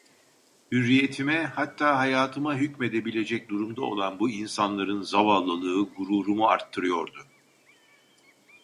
Hürriyetime, hatta hayatıma hükmedebilecek durumda olan bu insanların zavallılığı gururumu artırıyordu.